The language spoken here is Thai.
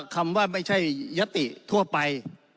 คำว่าไม่ใช่ยติทั่วไป